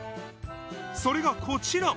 それがこちら。